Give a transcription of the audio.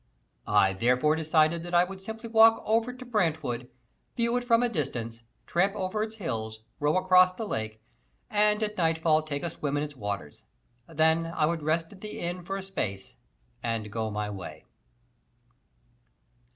I therefore decided that I would simply walk over to Brantwood, view it from a distance, tramp over its hills, row across the lake, and at nightfall take a swim in its waters. Then I would rest at the Inn for a space and go my way.